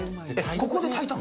ここで炊いたの？